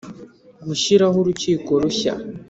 gushyiraho urukiko rushya